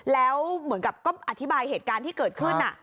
แล้วเหมือนกับก็อธิบายเหตุการณ์ที่เกิดขึ้น